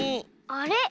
あれ？